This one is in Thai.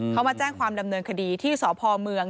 เขามาแจ้งความดำเนินคดีที่สพเมือง